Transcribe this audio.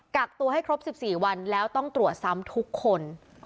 กักตัวให้ครบ๑๔วันแล้วต้องตรวจซ้ำทุกคน